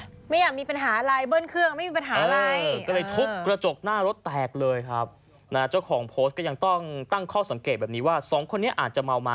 ไม่อยากมีปัญหาอะไรเบิ้ลเครื่องไม่มีปัญหาอะไร